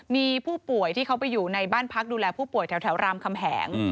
มีผู้ป่วยที่เขาไปอยู่ในบ้านพักดูแลผู้ป่วยแถวรามคำแหง